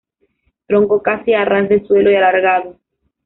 Tronco casi a ras de suelo y alargado.